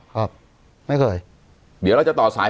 ครับไม่เคยเดี๋ยวเราจะต่อสาย